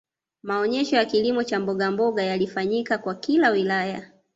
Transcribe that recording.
maonesho ya kilimo cha mbogamboga yalifanyika kwa kila wilaya